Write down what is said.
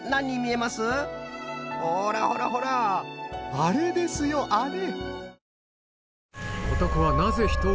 ほらほらほらあれですよあれ。